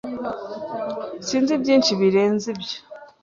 Sinzi byinshi birenze ibyo.